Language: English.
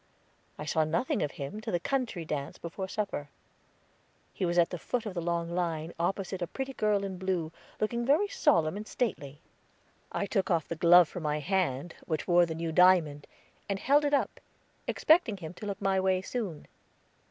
I saw nothing of him till the country dance before supper. He was at the foot of the long line, opposite a pretty girl in blue, looking very solemn and stately. I took off the glove from my hand which wore the new diamond, and held it up, expecting him to look my way soon.